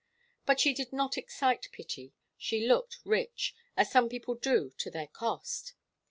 But she did not excite pity. She looked rich, as some people do to their cost.